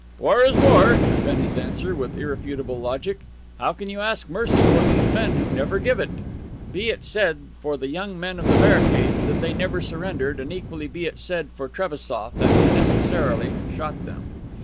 "War is war," had been his answer, with irrefutable logic. "How can you ask mercy for these men who never give it?" Be it said for the young men of the barricades that they never surrendered, and equally be it said for Trebassof that he necessarily shot them.